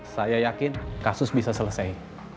saya yakin kasus bisa selesai